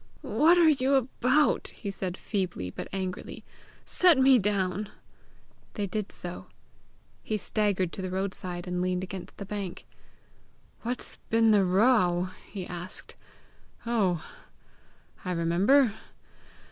"What are you about?" he said feebly but angrily. "Set me down." They did so. He staggered to the road side, and leaned against the bank. "What's been the row?" he asked. "Oh, I remember!